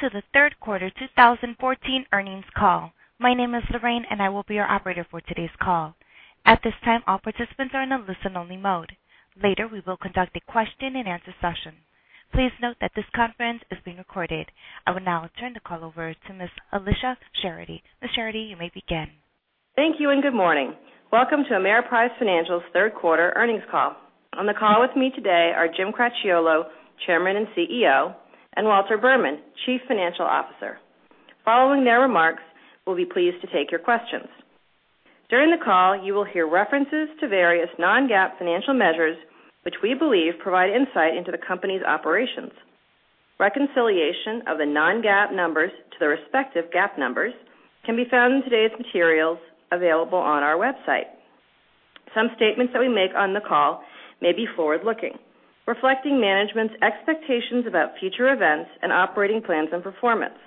Welcome to the third quarter 2014 earnings call. My name is Lorraine, and I will be your operator for today's call. At this time, all participants are in a listen-only mode. Later, we will conduct a question and answer session. Please note that this conference is being recorded. I will now turn the call over to Ms. Alicia Charity. Ms. Alicia Charity, you may begin. Thank you, and good morning. Welcome to Ameriprise Financial's third quarter earnings call. On the call with me today are Jim Cracchiolo, Chairman and CEO, and Walter Berman, Chief Financial Officer. Following their remarks, we will be pleased to take your questions. During the call, you will hear references to various non-GAAP financial measures which we believe provide insight into the company's operations. Reconciliation of the non-GAAP numbers to their respective GAAP numbers can be found in today's materials available on our website. Some statements that we make on the call may be forward-looking, reflecting management's expectations about future events and operating plans and performance.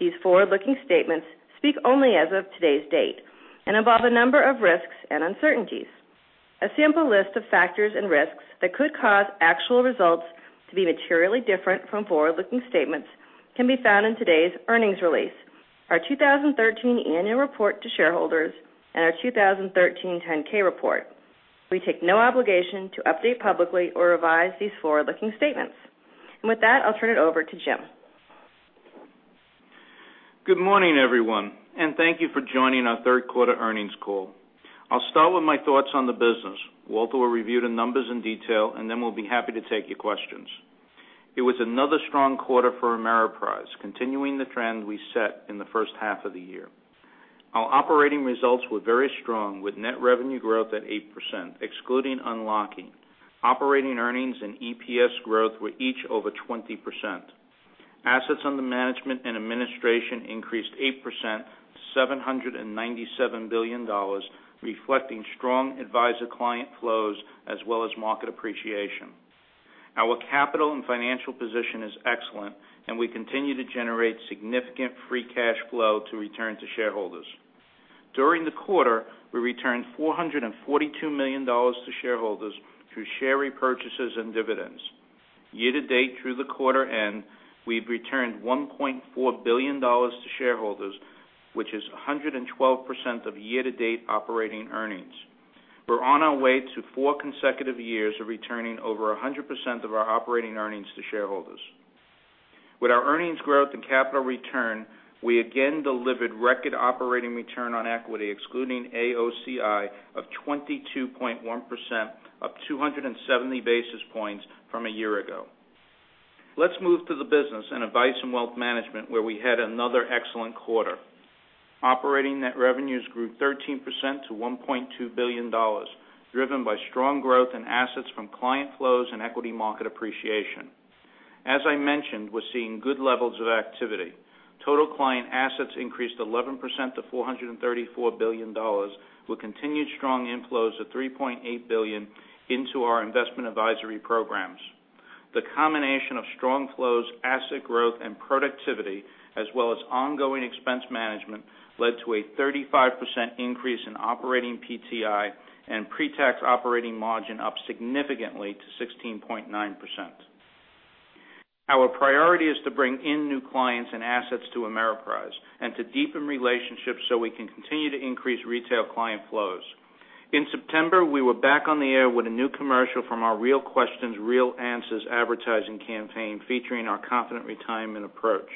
These forward-looking statements speak only as of today's date and involve a number of risks and uncertainties. A sample list of factors and risks that could cause actual results to be materially different from forward-looking statements can be found in today's earnings release. Our 2013 annual report to shareholders and our 2013 10-K report. We take no obligation to update publicly or revise these forward-looking statements. With that, I will turn it over to Jim. Good morning, everyone, and thank you for joining our third quarter earnings call. I will start with my thoughts on the business. Walter will review the numbers in detail. Then we will be happy to take your questions. It was another strong quarter for Ameriprise, continuing the trend we set in the first half of the year. Our operating results were very strong, with net revenue growth at 8%, excluding unlocking. Operating earnings and EPS growth were each over 20%. Assets under management and administration increased 8% to $797 billion, reflecting strong advisor-client flows as well as market appreciation. Our capital and financial position is excellent, and we continue to generate significant free cash flow to return to shareholders. During the quarter, we returned $442 million to shareholders through share repurchases and dividends. Year to date through the quarter end, we've returned $1.4 billion to shareholders, which is 112% of year-to-date operating earnings. We're on our way to four consecutive years of returning over 100% of our operating earnings to shareholders. With our earnings growth and capital return, we again delivered record operating return on equity, excluding AOCI, of 22.1%, up 270 basis points from a year ago. Let's move to the business and Advice and Wealth Management, where we had another excellent quarter. Operating net revenues grew 13% to $1.2 billion, driven by strong growth in assets from client flows and equity market appreciation. As I mentioned, we're seeing good levels of activity. Total client assets increased 11% to $434 billion, with continued strong inflows of $3.8 billion into our investment advisory programs. The combination of strong flows, asset growth, and productivity, as well as ongoing expense management, led to a 35% increase in operating PTI, and pre-tax operating margin up significantly to 16.9%. Our priority is to bring in new clients and assets to Ameriprise and to deepen relationships so we can continue to increase retail client flows. In September, we were back on the air with a new commercial from our Real Questions, Real Answers advertising campaign featuring our Confident Retirement approach.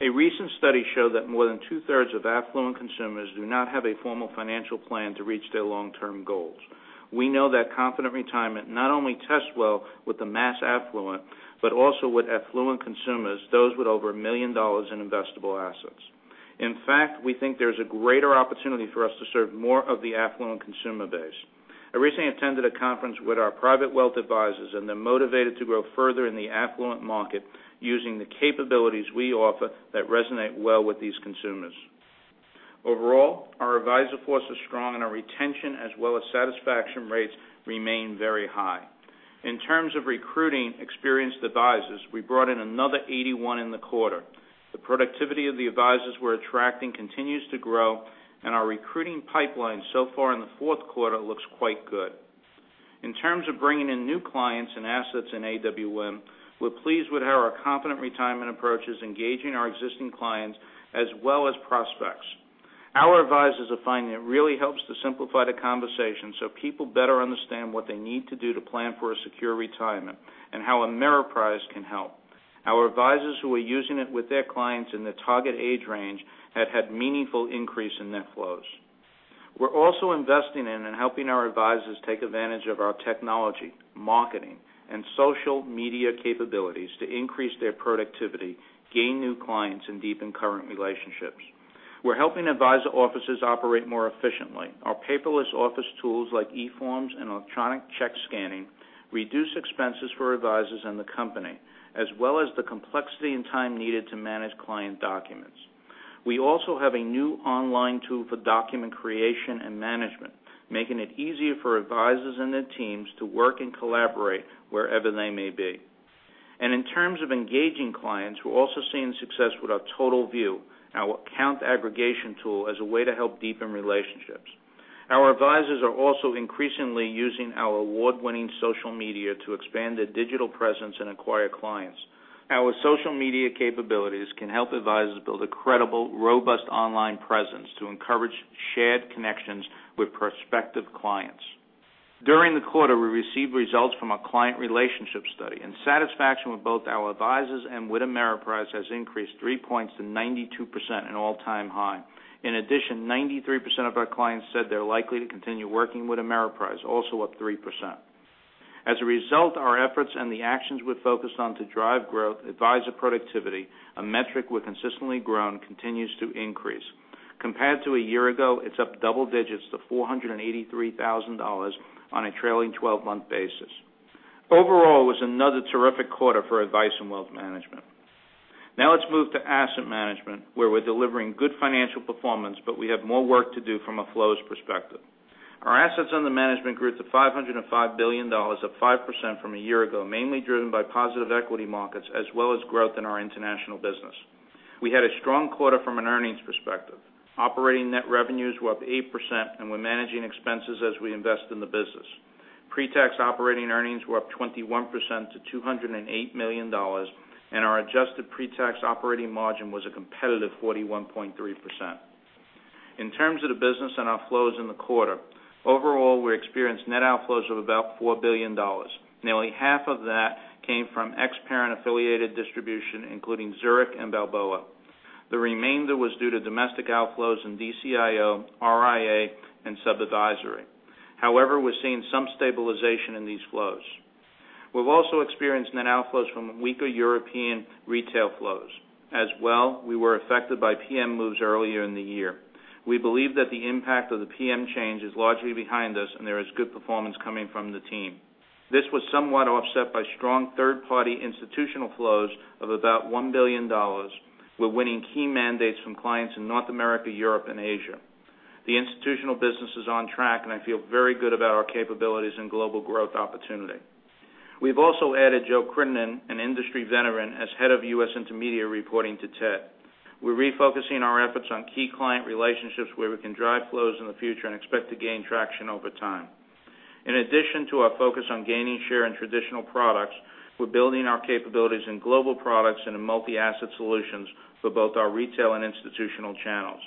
A recent study showed that more than two-thirds of affluent consumers do not have a formal financial plan to reach their long-term goals. We know that Confident Retirement not only tests well with the mass affluent, but also with affluent consumers, those with over a million dollars in investable assets. In fact, we think there's a greater opportunity for us to serve more of the affluent consumer base. I recently attended a conference with our private wealth advisors. They're motivated to grow further in the affluent market using the capabilities we offer that resonate well with these consumers. Overall, our advisor force is strong, and our retention as well as satisfaction rates remain very high. In terms of recruiting experienced advisors, we brought in another 81 in the quarter. The productivity of the advisors we're attracting continues to grow. Our recruiting pipeline so far in the fourth quarter looks quite good. In terms of bringing in new clients and assets in AWM, we're pleased with how our Confident Retirement approach is engaging our existing clients as well as prospects. Our advisors are finding it really helps to simplify the conversation so people better understand what they need to do to plan for a secure retirement and how Ameriprise can help. Our advisors who are using it with their clients in the target age range have had meaningful increase in net flows. We're also investing in and helping our advisors take advantage of our technology, marketing, and social media capabilities to increase their productivity, gain new clients, and deepen current relationships. We're helping advisor offices operate more efficiently. Our paperless office tools like eForms and electronic check scanning reduce expenses for advisors and the company, as well as the complexity and time needed to manage client documents. We also have a new online tool for document creation and management, making it easier for advisors and their teams to work and collaborate wherever they may be. In terms of engaging clients, we're also seeing success with our Total View, our account aggregation tool, as a way to help deepen relationships. Our advisors are also increasingly using our award-winning social media to expand their digital presence and acquire clients. Our social media capabilities can help advisors build a credible, robust online presence to encourage shared connections with prospective clients. During the quarter, we received results from a client relationship study, and satisfaction with both our advisors and with Ameriprise has increased three points to 92%, an all-time high. In addition, 93% of our clients said they're likely to continue working with Ameriprise, also up 3%. As a result, our efforts and the actions we've focused on to drive growth, advisor productivity, a metric we've consistently grown continues to increase. Compared to a year ago, it's up double digits to $483,000 on a trailing 12-month basis. Overall, it was another terrific quarter for Advice & Wealth Management. Let's move to Asset Management, where we're delivering good financial performance, but we have more work to do from a flows perspective. Our assets under management grew to $505 billion, up 5% from a year ago, mainly driven by positive equity markets, as well as growth in our international business. We had a strong quarter from an earnings perspective. Operating net revenues were up 8%. We're managing expenses as we invest in the business. Pre-tax operating earnings were up 21% to $208 million, and our adjusted pre-tax operating margin was a competitive 41.3%. In terms of the business and our flows in the quarter, overall, we experienced net outflows of about $4 billion. Nearly half of that came from ex-parent affiliated distribution, including Zurich and Balboa. The remainder was due to domestic outflows in DCIO, RIA, and sub-advisory. We're seeing some stabilization in these flows. We've also experienced net outflows from weaker European retail flows. We were affected by PM moves earlier in the year. We believe that the impact of the PM change is largely behind us, and there is good performance coming from the team. This was somewhat offset by strong third-party institutional flows of about $1 billion. We're winning key mandates from clients in North America, Europe, and Asia. The institutional business is on track, and I feel very good about our capabilities and global growth opportunity. We've also added Joe Creenan, an industry veteran, as head of U.S. Intermediary reporting to Ted. We're refocusing our efforts on key client relationships where we can drive flows in the future and expect to gain traction over time. In addition to our focus on gaining share in traditional products, we're building our capabilities in global products and in multi-asset solutions for both our retail and institutional channels.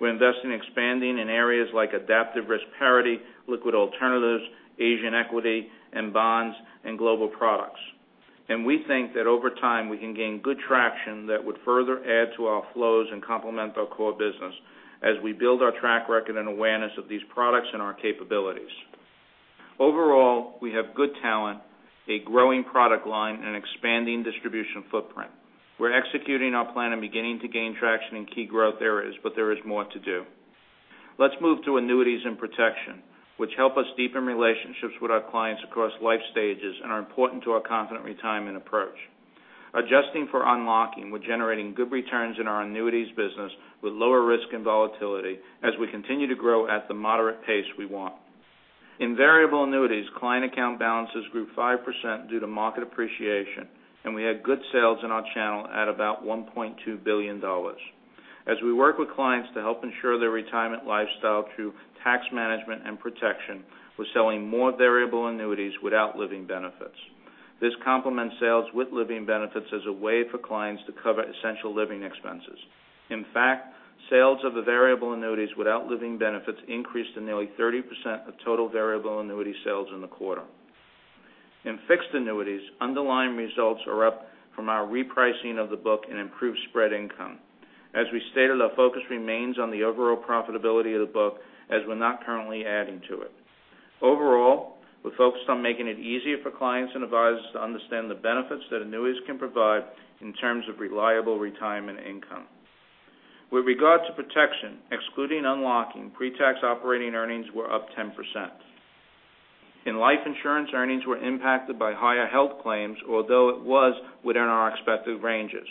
We're investing in expanding in areas like adaptive risk parity, liquid alternatives, Asian equity and bonds, and global products. We think that over time, we can gain good traction that would further add to our flows and complement our core business as we build our track record and awareness of these products and our capabilities. Overall, we have good talent, a growing product line, and expanding distribution footprint. We're executing our plan and beginning to gain traction in key growth areas, but there is more to do. Let's move to annuities and protection, which help us deepen relationships with our clients across life stages and are important to our Confident Retirement approach. Adjusting for unlocking, we're generating good returns in our annuities business with lower risk and volatility as we continue to grow at the moderate pace we want. In variable annuities, client account balances grew 5% due to market appreciation, and we had good sales in our channel at about $1.2 billion. As we work with clients to help ensure their retirement lifestyle through tax management and protection, we're selling more variable annuities without living benefits. This complements sales with living benefits as a way for clients to cover essential living expenses. In fact, sales of the variable annuities without living benefits increased to nearly 30% of total variable annuity sales in the quarter. In fixed annuities, underlying results are up from our repricing of the book and improved spread income. As we stated, our focus remains on the overall profitability of the book, as we're not currently adding to it. We're focused on making it easier for clients and advisors to understand the benefits that annuities can provide in terms of reliable retirement income. With regard to protection, excluding unlocking, pre-tax operating earnings were up 10%. In life insurance, earnings were impacted by higher health claims, although it was within our expected ranges.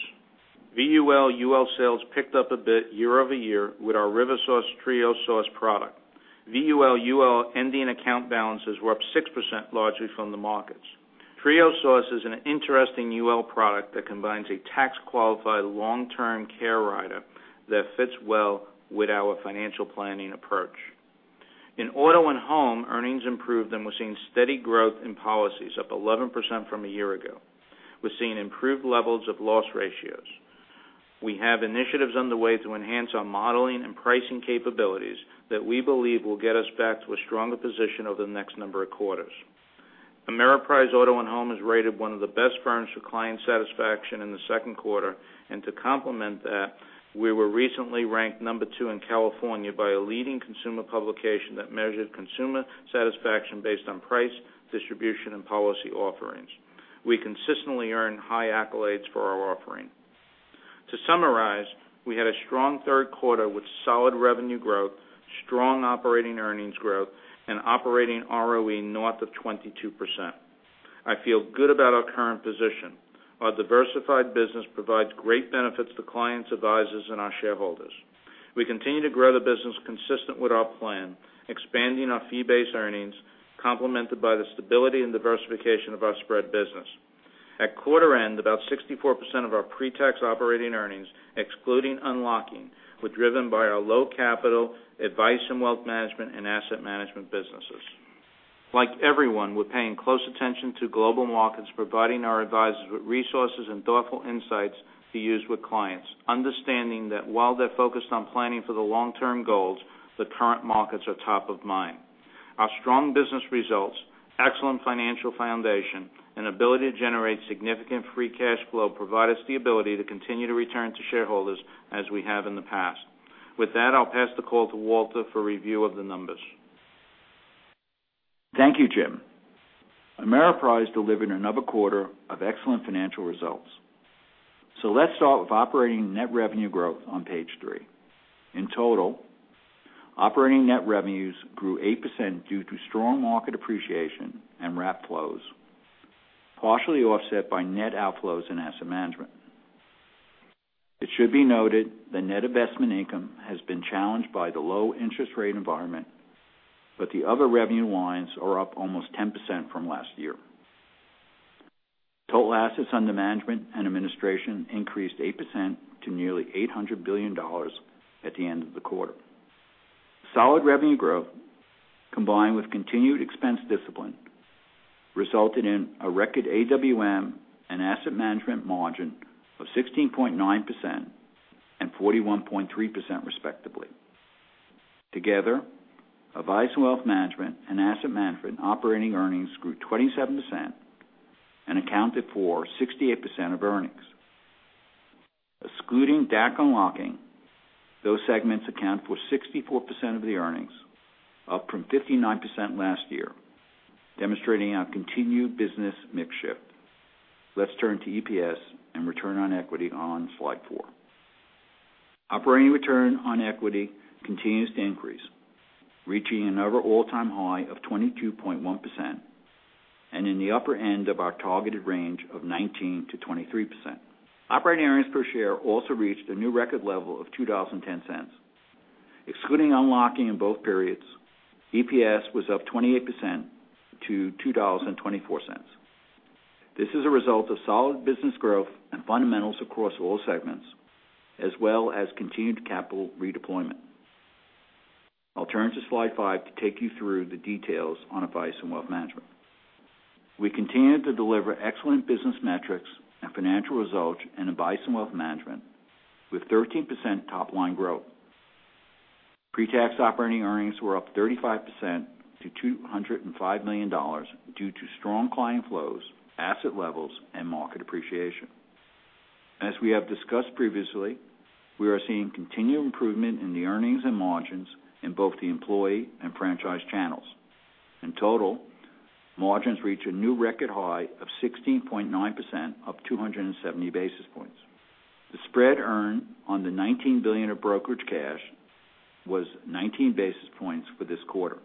VUL/UL sales picked up a bit year-over-year with our RiverSource TrioSource product. VUL/UL ending account balances were up 6%, largely from the markets. TrioSource is an interesting UL product that combines a tax-qualified long-term care rider that fits well with our financial planning approach. In auto and home, earnings improved, and we're seeing steady growth in policies, up 11% from a year ago. We're seeing improved levels of loss ratios. We have initiatives underway to enhance our modeling and pricing capabilities that we believe will get us back to a stronger position over the next number of quarters. Ameriprise Auto & Home is rated one of the best firms for client satisfaction in the second quarter. To complement that, we were recently ranked number 2 in California by a leading consumer publication that measured consumer satisfaction based on price, distribution, and policy offerings. We consistently earn high accolades for our offering. To summarize, we had a strong third quarter with solid revenue growth, strong operating earnings growth, and operating ROE north of 22%. I feel good about our current position. Our diversified business provides great benefits to clients, advisors, and our shareholders. We continue to grow the business consistent with our plan, expanding our fee-based earnings, complemented by the stability and diversification of our spread business. At quarter end, about 64% of our pre-tax operating earnings, excluding unlocking, were driven by our low capital advice in wealth management and Asset Management businesses. Like everyone, we're paying close attention to global markets, providing our advisors with resources and thoughtful insights to use with clients, understanding that while they're focused on planning for the long-term goals, the current markets are top of mind. Our strong business results, excellent financial foundation, and ability to generate significant free cash flow provide us the ability to continue to return to shareholders as we have in the past. With that, I'll pass the call to Walter for review of the numbers. Thank you, Jim. Ameriprise delivered another quarter of excellent financial results. Let's start with operating net revenue growth on page three. In total, operating net revenues grew 8% due to strong market appreciation and wrap flows, partially offset by net outflows in Asset Management. It should be noted that net investment income has been challenged by the low interest rate environment, but the other revenue lines are up almost 10% from last year. Total assets under management and administration increased 8% to nearly $800 billion at the end of the quarter. Solid revenue growth, combined with continued expense discipline, resulted in a record AWM and Asset Management margin of 16.9% and 41.3%, respectively. Together, advice in wealth management and Asset Management operating earnings grew 27% and accounted for 68% of earnings. Excluding DAC unlocking, those segments account for 64% of the earnings, up from 59% last year, demonstrating our continued business mix shift. Let's turn to EPS and return on equity on slide four. Operating return on equity continues to increase, reaching another all-time high of 22.1% and in the upper end of our targeted range of 19%-23%. Operating earnings per share also reached a new record level of $2.10. Excluding unlocking in both periods, EPS was up 28% to $2.24. This is a result of solid business growth and fundamentals across all segments, as well as continued capital redeployment. I'll turn to slide five to take you through the details on advice and wealth management. We continued to deliver excellent business metrics and financial results in advice and wealth management, with 13% top-line growth. Pre-tax operating earnings were up 35% to $205 million due to strong client flows, asset levels, and market appreciation. As we have discussed previously, we are seeing continued improvement in the earnings and margins in both the employee and franchise channels. In total, margins reach a new record high of 16.9% up 270 basis points. The spread earned on the $19 billion of brokerage cash was 19 basis points for this quarter.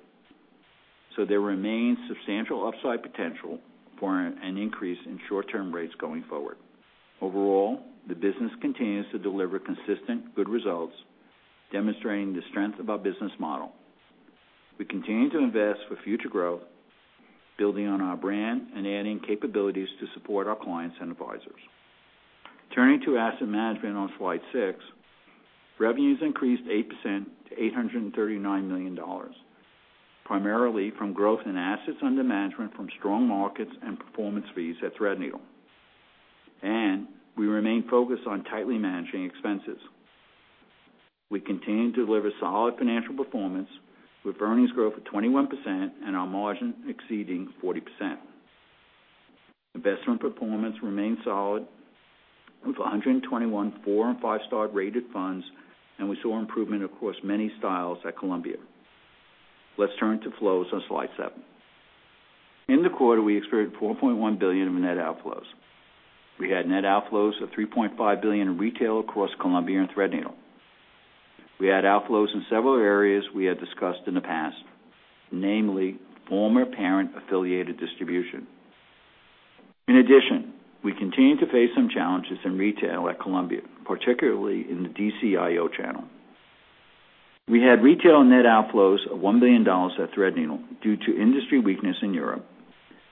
There remains substantial upside potential for an increase in short-term rates going forward. Overall, the business continues to deliver consistent good results, demonstrating the strength of our business model. We continue to invest for future growth, building on our brand and adding capabilities to support our clients and advisors. Turning to Asset Management on slide six, revenues increased 8% to $839 million, primarily from growth in assets under management from strong markets and performance fees at Threadneedle. We remain focused on tightly managing expenses. We continue to deliver solid financial performance with earnings growth of 21% and our margin exceeding 40%. Investment performance remained solid with 121 four and five-star rated funds, and we saw improvement across many styles at Columbia. Let's turn to flows on slide seven. In the quarter, we experienced $4.1 billion of net outflows. We had net outflows of $3.5 billion in retail across Columbia and Threadneedle. We had outflows in several areas we had discussed in the past, namely former parent-affiliated distribution. In addition, we continue to face some challenges in retail at Columbia, particularly in the DCIO channel. We had retail net outflows of $1 billion at Threadneedle due to industry weakness in Europe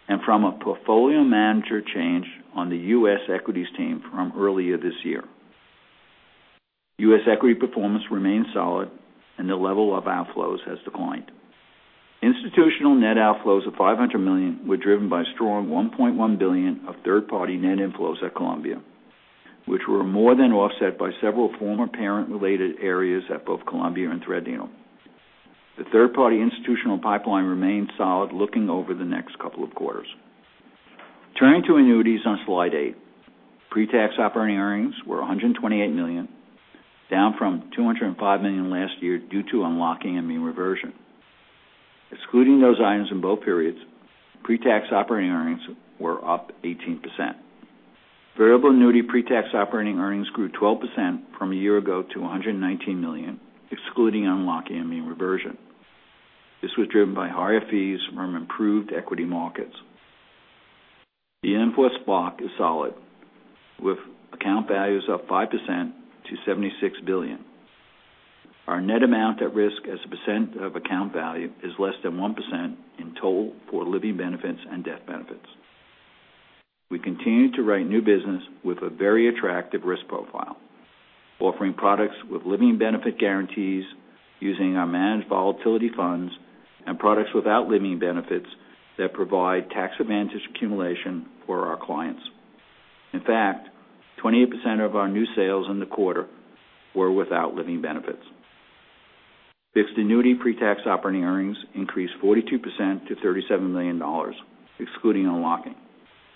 and from a portfolio manager change on the U.S. equities team from earlier this year. U.S. equity performance remains solid and the level of outflows has declined. Institutional net outflows of $500 million were driven by strong $1.1 billion of third-party net inflows at Columbia, which were more than offset by several former parent-related areas at both Columbia and Threadneedle. The third-party institutional pipeline remains solid looking over the next couple of quarters. Turning to annuities on slide eight, pre-tax operating earnings were $128 million, down from $205 million last year due to unlocking and mean reversion. Excluding those items in both periods, pre-tax operating earnings were up 18%. Variable annuity pre-tax operating earnings grew 12% from a year ago to $119 million, excluding unlocking and mean reversion. This was driven by higher fees from improved equity markets. The in-force block is solid, with account values up 5% to $76 billion. Our net amount at risk as a percent of account value is less than 1% in total for living benefits and death benefits. We continue to write new business with a very attractive risk profile, offering products with living benefit guarantees using our managed volatility funds and products without living benefits that provide tax advantage accumulation for our clients. In fact, 28% of our new sales in the quarter were without living benefits. Fixed annuity pre-tax operating earnings increased 42% to $37 million, excluding unlocking.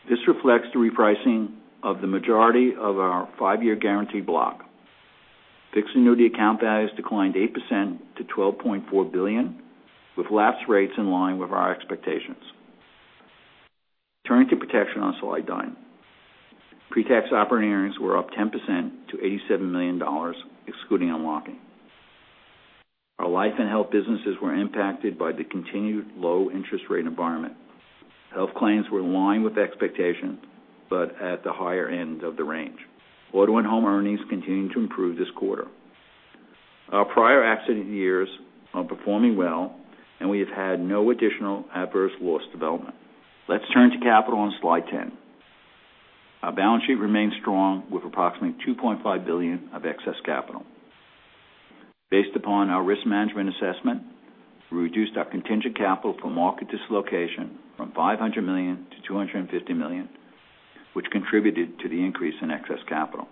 This reflects the repricing of the majority of our five-year guarantee block. Fixed annuity account values declined 8% to $12.4 billion, with lapse rates in line with our expectations. Turning to protection on slide nine. Pre-tax operating earnings were up 10% to $87 million, excluding unlocking. Our life and health businesses were impacted by the continued low interest rate environment. Health claims were in line with expectations, but at the higher end of the range. Auto and home earnings continued to improve this quarter. Our prior accident years are performing well, and we have had no additional adverse loss development. Let's turn to capital on slide 10. Our balance sheet remains strong with approximately $2.5 billion of excess capital. Based upon our risk management assessment, we reduced our contingent capital for market dislocation from $500 million to $250 million, which contributed to the increase in excess capital.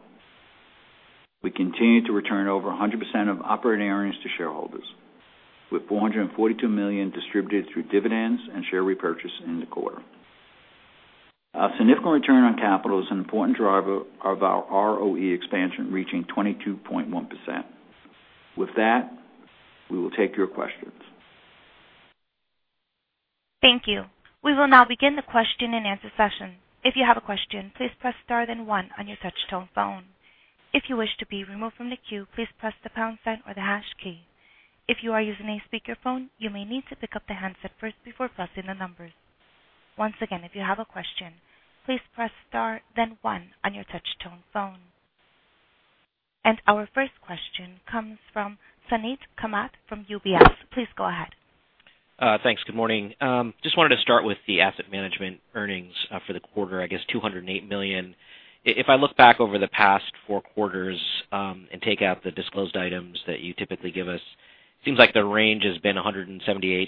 We continue to return over 100% of operating earnings to shareholders, with $442 million distributed through dividends and share repurchase in the quarter. Our significant return on capital is an important driver of our ROE expansion, reaching 22.1%. With that, we will take your questions. Thank you. We will now begin the question-and-answer session. If you have a question, please press star then one on your touch-tone phone. If you wish to be removed from the queue, please press the pound sign or the hash key. If you are using a speakerphone, you may need to pick up the handset first before pressing the numbers. Once again, if you have a question, please press star then one on your touch-tone phone. Our first question comes from Suneet Kamath from UBS. Please go ahead. Thanks. Good morning. Just wanted to start with the Asset Management earnings for the quarter, I guess $208 million. If I look back over the past four quarters, and take out the disclosed items that you typically give us, it seems like the range has been $178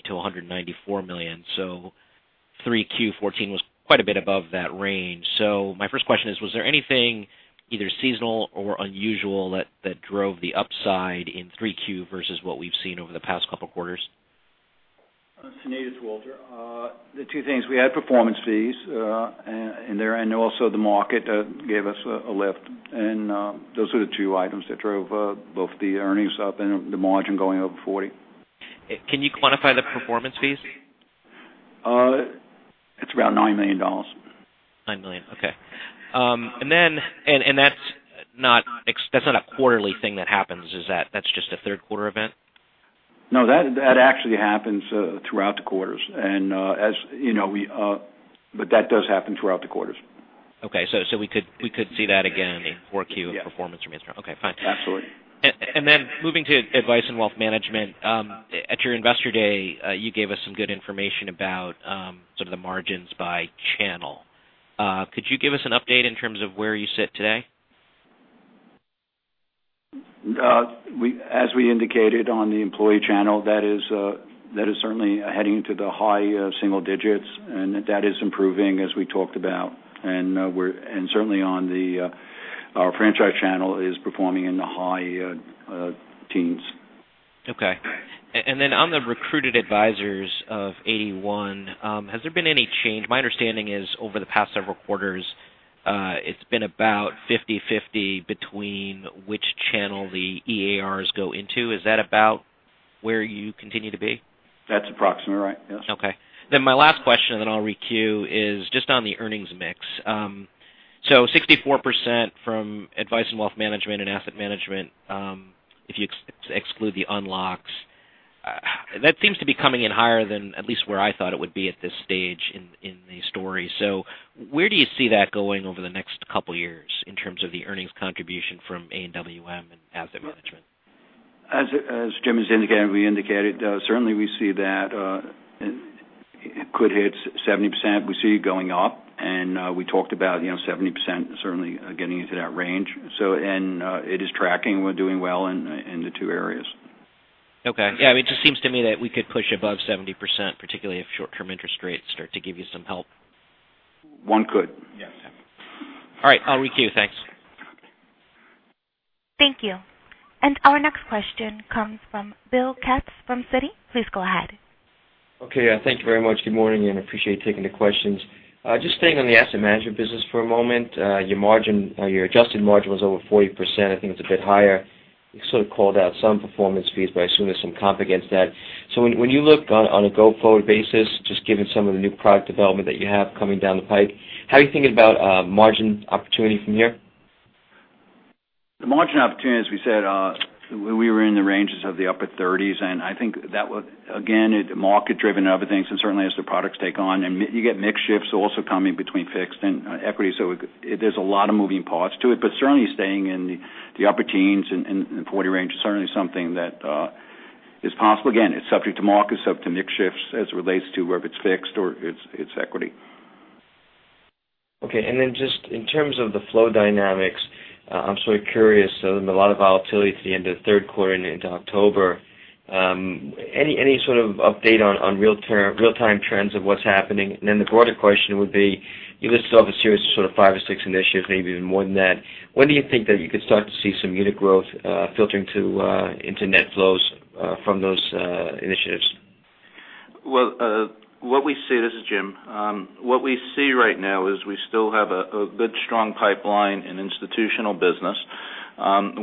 million-$194 million. 3Q 2014 was quite a bit above that range. My first question is, was there anything either seasonal or unusual that drove the upside in 3Q versus what we've seen over the past couple of quarters? Suneet, it's Walter. The two things, we had performance fees, and also the market gave us a lift. Those are the two items that drove both the earnings up and the margin going over 40. Can you quantify the performance fees? It's around $9 million. $9 million. Okay. That's not a quarterly thing that happens, is that just a third quarter event? No, that actually happens throughout the quarters. That does happen throughout the quarters. Okay. We could see that again in 4Q performance. Yes. Okay, fine. Absolutely. Moving to advice and wealth management. At your Investor Day, you gave us some good information about sort of the margins by channel. Could you give us an update in terms of where you sit today? As we indicated on the employee channel, that is certainly heading to the high single digits, and that is improving as we talked about. Certainly our franchise channel is performing in the high teens. Okay. On the recruited advisors of 81, has there been any change? My understanding is over the past several quarters, it's been about 50/50 between which channel the RIAs go into. Is that about where you continue to be? That's approximately right, yes. My last question, and then I'll re-queue, is just on the earnings mix. 64% from advice and wealth management and Asset Management, if you exclude the unlocks. That seems to be coming in higher than at least where I thought it would be at this stage in the story. Where do you see that going over the next couple years in terms of the earnings contribution from AWM and Asset Management? As Jim has indicated, we indicated, certainly we see that it could hit 70%. We see it going up, and we talked about 70%, certainly getting into that range. It is tracking. We're doing well in the two areas. Okay. Yeah, it just seems to me that we could push above 70%, particularly if short-term interest rates start to give you some help. One could. Yes. All right, I'll re-queue. Thanks. Thank you. Our next question comes from William Katz from Citi. Please go ahead. Okay. Thank you very much. Good morning, appreciate taking the questions. Just staying on the Asset Management business for a moment. Your adjusted margin was over 40%. I think it was a bit higher. You sort of called out some performance fees, but I assume there's some comp against that. When you look on a go-forward basis, just given some of the new product development that you have coming down the pipe, how are you thinking about margin opportunity from here? The margin opportunity, as we said, we were in the ranges of the upper 30s. I think that, again, market driven, other things, certainly as the products take on, and you get mix shifts also coming between fixed and equity. There's a lot of moving parts to it, but certainly staying in the upper 30s and 40s range is certainly something that is possible. Again, it's subject to markets, subject to mix shifts as it relates to whether it's fixed or it's equity. Okay. Just in terms of the flow dynamics, I'm sort of curious, there's been a lot of volatility at the end of the third quarter and into October. Any sort of update on real-time trends of what's happening? The broader question would be, you listed off a series of sort of five or six initiatives, maybe even more than that. When do you think that you could start to see some unit growth filtering into net flows from those initiatives? Well, what we see, this is Jim. What we see right now is we still have a good, strong pipeline in institutional business.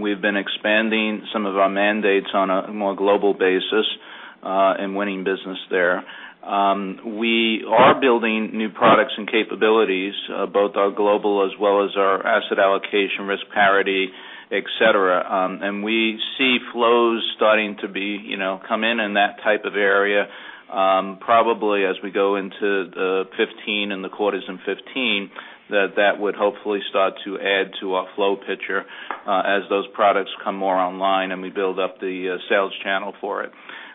We've been expanding some of our mandates on a more global basis, and winning business there. We are building new products and capabilities, both our global as well as our asset allocation, risk parity, et cetera. We see flows starting to come in in that type of area. Probably as we go into the 2015 and the quarters in 2015, that would hopefully start to add to our flow picture as those products come more online, and we build up the sales channel for it.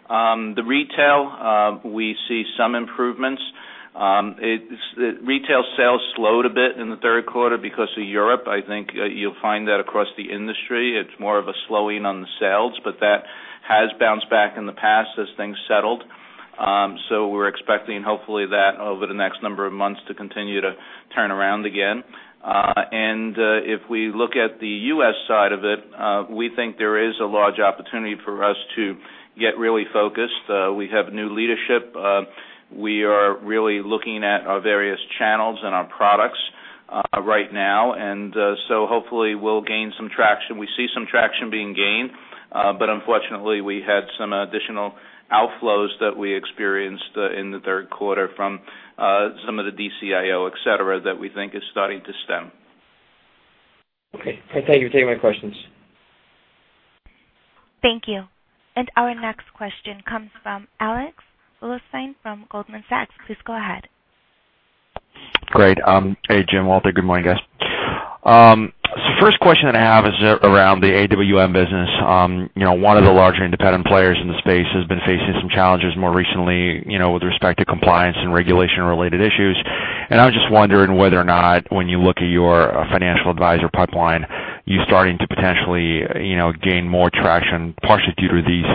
The retail, we see some improvements. Retail sales slowed a bit in the third quarter because of Europe. I think you'll find that across the industry. It's more of a slowing on the sales, but that has bounced back in the past as things settled. We're expecting hopefully that over the next number of months to continue to turn around again. If we look at the U.S. side of it, we think there is a large opportunity for us to get really focused. We have new leadership. We are really looking at our various channels and our products right now. Hopefully we'll gain some traction. We see some traction being gained. Unfortunately, we had some additional outflows that we experienced in the third quarter from some of the DCIO, et cetera, that we think is starting to stem. Okay. Thank you. Thank you for taking my questions. Thank you. Our next question comes from Alex Blostein from Goldman Sachs. Please go ahead. Great. Hey, Jim, Walter. Good morning, guys. First question that I have is around the AWM business. One of the larger independent players in the space has been facing some challenges more recently with respect to compliance and regulation-related issues. I was just wondering whether or not when you look at your financial advisor pipeline, you're starting to potentially gain more traction partially due to these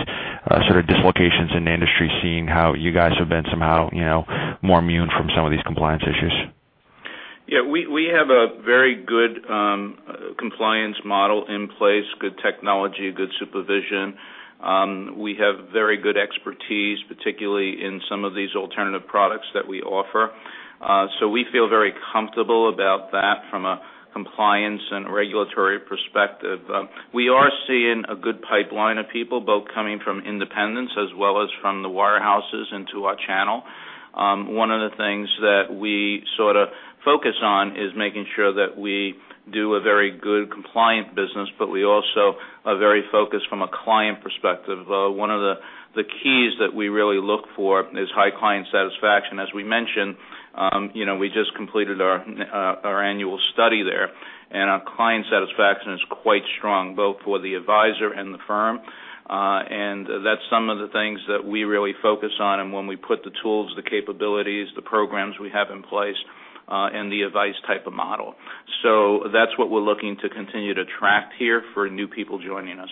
sort of dislocations in the industry, seeing how you guys have been somehow more immune from some of these compliance issues. Yeah. We have a very good compliance model in place, good technology, good supervision. We have very good expertise, particularly in some of these alternative products that we offer. We feel very comfortable about that from a compliance and regulatory perspective. We are seeing a good pipeline of people, both coming from independents as well as from the warehouses into our channel. One of the things that we sort of focus on is making sure that we do a very good compliant business, but we also are very focused from a client perspective. One of the keys that we really look for is high client satisfaction. As we mentioned, we just completed our annual study there, and our client satisfaction is quite strong, both for the advisor and the firm. That's some of the things that we really focus on, and when we put the tools, the capabilities, the programs we have in place, and the advice type of model. That's what we're looking to continue to attract here for new people joining us.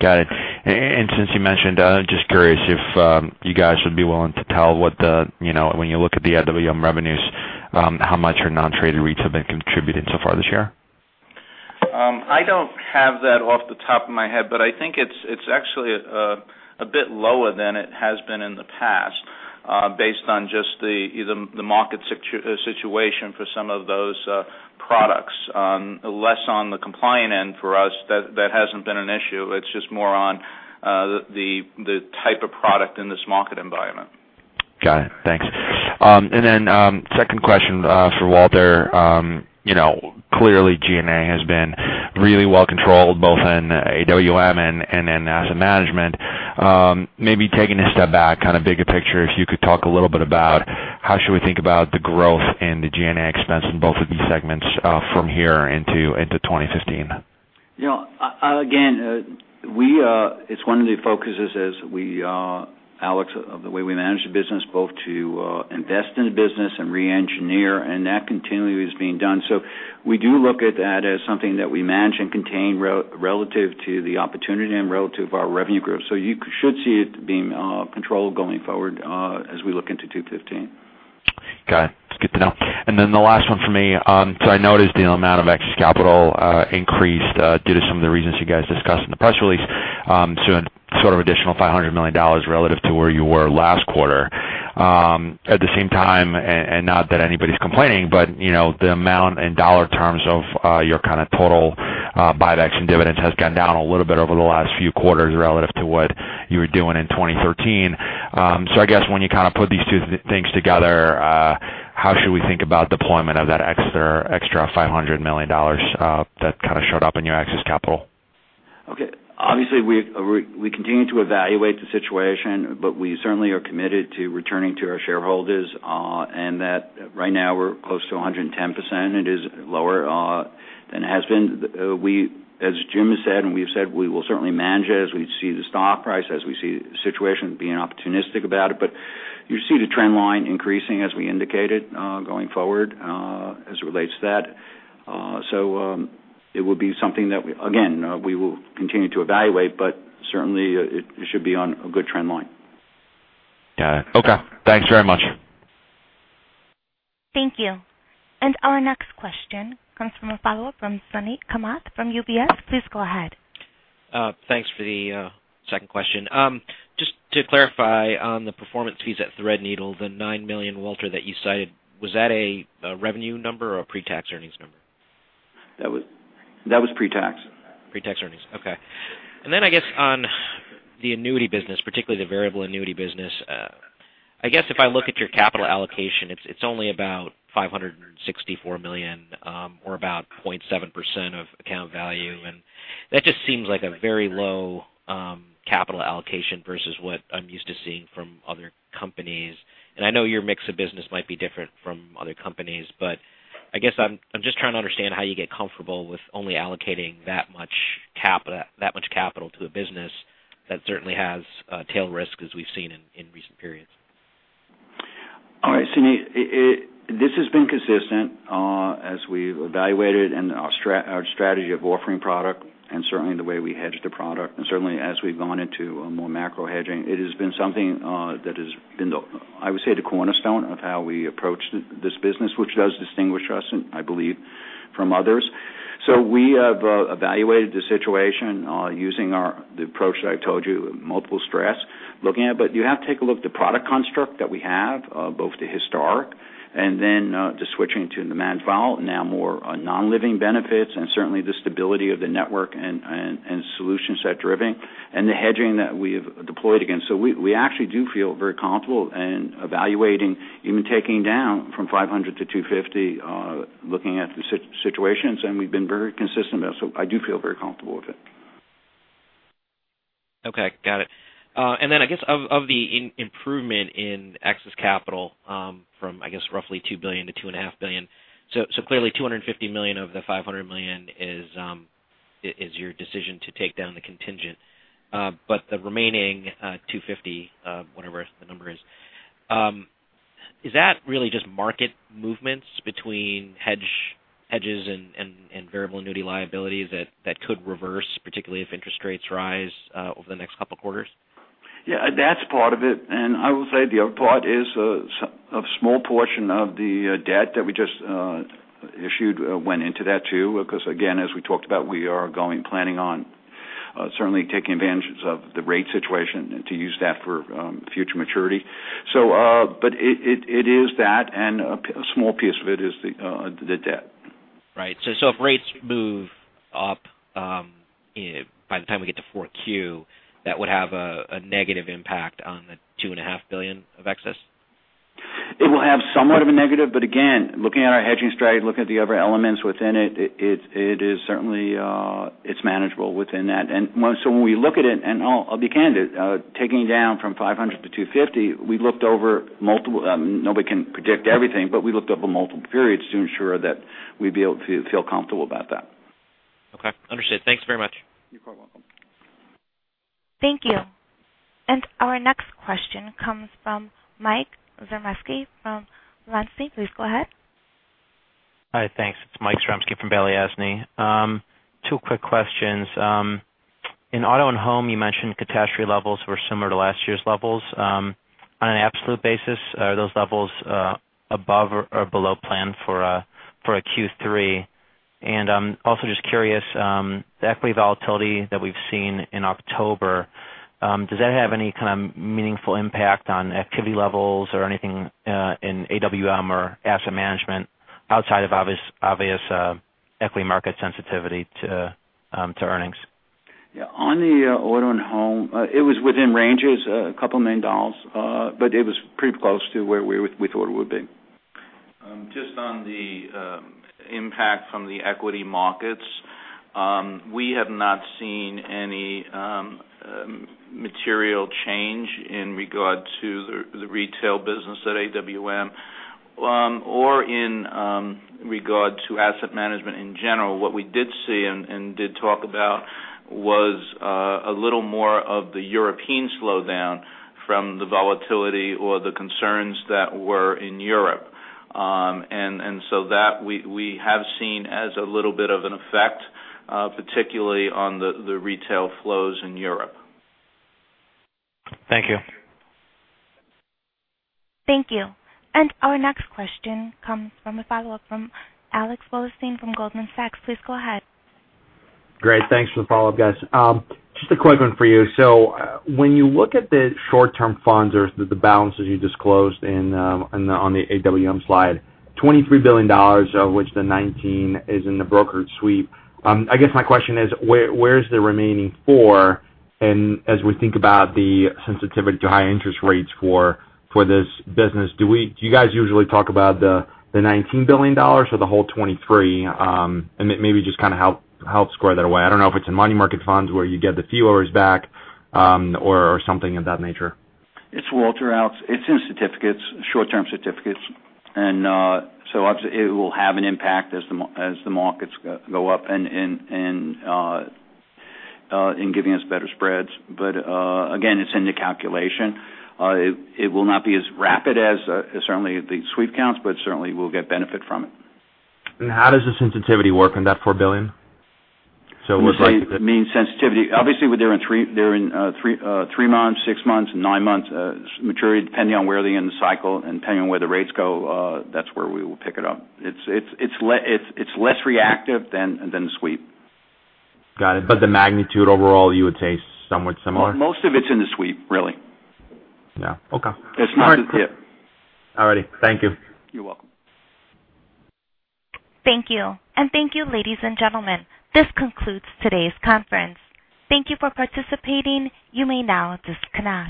Got it. Since you mentioned, just curious if you guys would be willing to tell when you look at the AWM revenues, how much your non-traded REITs have been contributing so far this year? I don't have that off the top of my head, I think it's actually a bit lower than it has been in the past, based on just the market situation for some of those products. Less on the compliant end for us. That hasn't been an issue. It's just more on the type of product in this market environment. Got it. Thanks. Second question for Walter. Clearly, G&A has been really well controlled both in AWM and in Asset Management. Maybe taking a step back, kind of bigger picture, if you could talk a little bit about how should we think about the growth in the G&A expense in both of these segments from here into 2015? Again, it's one of the focuses, Alex, of the way we manage the business, both to invest in the business and re-engineer, that continually is being done. We do look at that as something that we manage and contain relative to the opportunity and relative to our revenue growth. You should see it being controlled going forward as we look into 2015. Got it. That's good to know. The last one for me. I noticed the amount of excess capital increased due to some of the reasons you guys discussed in the press release, to sort of additional $500 million relative to where you were last quarter. At the same time, not that anybody's complaining, but the amount in dollar terms of your total buybacks and dividends has gone down a little bit over the last few quarters relative to what you were doing in 2013. I guess when you put these two things together, how should we think about deployment of that extra $500 million that showed up in your excess capital? Okay. Obviously, we continue to evaluate the situation, but we certainly are committed to returning to our shareholders, and that right now we're close to 110%. It is lower than it has been. As Jim said, and we've said, we will certainly manage it as we see the stock price, as we see the situation, being opportunistic about it. You see the trend line increasing as we indicated going forward as it relates to that. It will be something that, again, we will continue to evaluate, but certainly it should be on a good trend line. Got it. Okay. Thanks very much. Thank you. Our next question comes from a follow-up from Suneet Kamath from UBS. Please go ahead. Thanks for the second question. Just to clarify on the performance fees at Threadneedle, the $9 million, Walter, that you cited, was that a revenue number or a pre-tax earnings number? That was pre-tax. Pre-tax earnings. Okay. Then I guess on the annuity business, particularly the variable annuity business, I guess if I look at your capital allocation, it's only about $564 million, or about 0.7% of account value. That just seems like a very low capital allocation versus what I'm used to seeing from other companies. I know your mix of business might be different from other companies, but I guess I'm just trying to understand how you get comfortable with only allocating that much capital to a business that certainly has tail risk as we've seen in recent periods. All right, Suneet, this has been consistent as we've evaluated and our strategy of offering product, and certainly the way we hedge the product, and certainly as we've gone into a more macro hedging. It has been something that has been, I would say, the cornerstone of how we approach this business, which does distinguish us, I believe, from others. We have evaluated the situation using the approach that I told you, multiple stress looking at. You have to take a look at the product construct that we have, both the historic, and then the switching to RAVA 5, now more on non-living benefits and certainly the stability of the network and solution set-driving, and the hedging that we've deployed against. We actually do feel very comfortable in evaluating, even taking down from $500 to $250, looking at the situations, and we've been very consistent about it, I do feel very comfortable with it. Okay. Got it. Then I guess of the improvement in excess capital from, I guess, roughly $2 billion to $2.5 billion. Clearly, $250 million of the $500 million is your decision to take down the contingent. The remaining $250, whatever the number is that really just market movements between hedges and variable annuity liabilities that could reverse, particularly if interest rates rise over the next couple of quarters? Yeah, that's part of it. I will say the other part is a small portion of the debt that we just issued went into that too. Again, as we talked about, we are planning on certainly taking advantage of the rate situation and to use that for future maturity. It is that, and a small piece of it is the debt. Right. If rates move up by the time we get to 4Q, that would have a negative impact on the $2.5 billion of excess? It will have somewhat of a negative, again, looking at our hedging strategy, looking at the other elements within it's manageable within that. When we look at it, and I'll be candid, taking down from 500 to 250, nobody can predict everything, but we looked over multiple periods to ensure that we'd be able to feel comfortable about that. Okay. Understood. Thanks very much. You're quite welcome. Thank you. Our next question comes from Mike Zaremski from BofA. Please go ahead. Hi, thanks. It's Mike Zarembski from BofA. Two quick questions. In Auto and Home, you mentioned catastrophe levels were similar to last year's levels. On an absolute basis, are those levels above or below plan for a Q3? Also just curious, the equity volatility that we've seen in October, does that have any kind of meaningful impact on activity levels or anything in AWM or Asset Management outside of obvious equity market sensitivity to earnings? Yeah. On the Auto and Home, it was within ranges, a couple million dollars, it was pretty close to where we thought it would be. Just on the impact from the equity markets. We have not seen any material change in regard to the retail business at AWM or in regard to Asset Management in general. What we did see and did talk about was a little more of the European slowdown from the volatility or the concerns that were in Europe. So that we have seen as a little bit of an effect, particularly on the retail flows in Europe. Thank you. Thank you. Our next question comes from a follow-up from Alex Blostein from Goldman Sachs. Please go ahead. Great. Thanks for the follow-up, guys. Just a quick one for you. When you look at the short-term funds or the balances you disclosed on the AWM slide, $23 billion of which the $19 is in the brokered sweep. I guess my question is, where is the remaining four, and as we think about the sensitivity to high interest rates for this business, do you guys usually talk about the $19 billion or the whole $23? Maybe just kind of help square that away. I don't know if it's in money market funds where you get the fee orders back or something of that nature. It's Walter. It's in certificates, short-term certificates. Obviously, it will have an impact as the markets go up in giving us better spreads. Again, it's in the calculation. It will not be as rapid as certainly the sweep accounts, but certainly we'll get benefit from it. How does the sensitivity work on that $4 billion? You're saying mean sensitivity. Obviously, they're in three months, six months, and nine months maturity, depending on where they are in the cycle and depending on where the rates go, that's where we will pick it up. It's less reactive than the sweep. Got it. The magnitude overall you would say is somewhat similar? Most of it's in the sweep, really. Yeah. Okay. It's not just it. All righty. Thank you. You're welcome. Thank you. Thank you, ladies and gentlemen. This concludes today's conference. Thank you for participating. You may now disconnect.